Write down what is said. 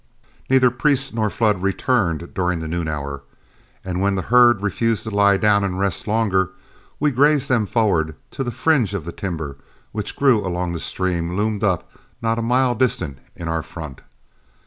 Neither Priest nor Flood returned during the noon hour, and when the herd refused to lie down and rest longer, we grazed them forward till the fringe of timber which grew along the stream loomed up not a mile distant in our front.